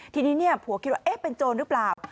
ทีนี้ผัวคิดว่าเป็นโจรหรือเปล่า